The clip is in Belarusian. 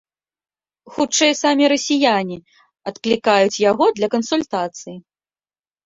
Хутчэй самі расіяне адклікаюць яго для кансультацый.